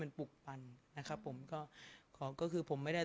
สงฆาตเจริญสงฆาตเจริญ